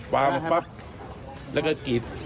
ปลามาปั๊บแล้วก็กรีด